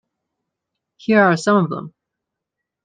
Here are some of them.